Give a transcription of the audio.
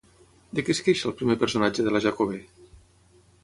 De què es queixa el primer personatge de la Jacobè?